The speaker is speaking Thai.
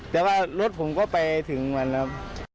แต่ว่ารถผมก็ไปถึงมันแล้ว